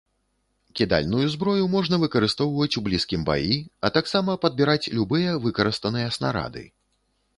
Кідальную зброю можна выкарыстоўваць у блізкім баі, а таксама падбіраць любыя выкарыстаныя снарады.